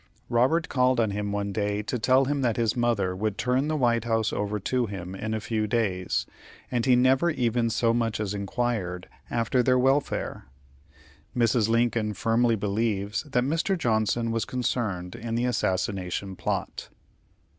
Robert called on him one day to tell him that his mother would turn the White House over to him in a few days, and he never even so much as inquired after their welfare. Mrs. Lincoln firmly believes that Mr. Johnson was concerned in the assassination plot.